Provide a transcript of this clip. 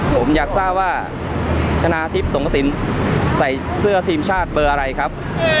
ผมอยากทราบว่าชนะทิพย์สงสินใส่เสื้อทีมชาติเบอร์อะไรครับ